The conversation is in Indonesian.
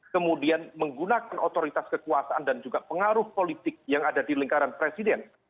kemudian menggunakan otoritas kekuasaan dan juga pengaruh politik yang ada di lingkaran presiden